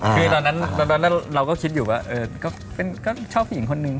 คือตอนนั้นเราก็คิดอยู่ว่าก็ชอบผู้หญิงคนนึง